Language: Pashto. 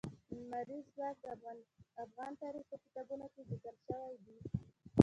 لمریز ځواک د افغان تاریخ په کتابونو کې ذکر شوی دي.